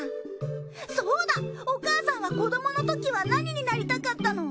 そうだお母さんは子どものときは何になりたかったの？